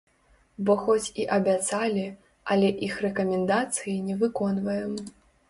Бо хоць і абяцалі, але іх рэкамендацыі не выконваем.